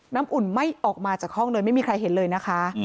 น้ำอุ่นไม่ออกมาจากห้องเลยไม่มีใครเห็นเลยนะคะ